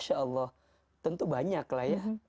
insya allah tentu banyak lah ya